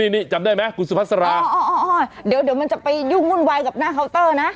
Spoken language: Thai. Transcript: นี่จำได้ไหมคุณสุภาษาเดี๋ยวมันจะไปยุ่งวุ่นวายกับหน้าเคาน์เตอร์นะ